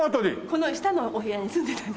この下のお部屋に住んでた。